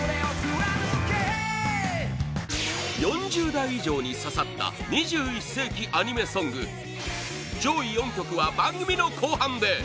４０代以上に刺さった２１世紀アニメソング上位４曲は番組の後半で！